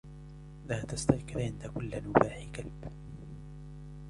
لا تستيقظ عند كل نباح كلب.